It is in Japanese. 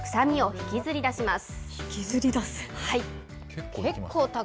引きずり出す。